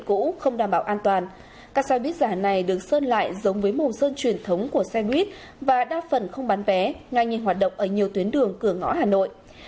các xe buýt giả này được sơn lại giống với màu sơn truyền thống của xe buýt và đa phần không bán vé ngay nhìn hoạt động ở nhiều tuyến đường cửa ngõ hà nội